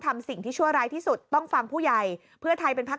ทำสิ่งที่ชั่วร้ายที่สุดต้องฟังผู้ใหญ่เพื่อไทยเป็นพัก